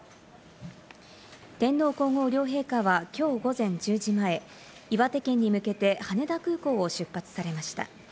天皇皇后両陛下はきょう午前１０時前、岩手県に向けて羽田空港を出発されました。